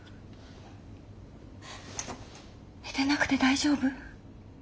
寝てなくて大丈夫？